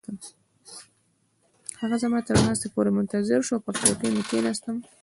هغه زما تر ناستې پورې منتظر شو او پر چوکۍ مې کښیناستم.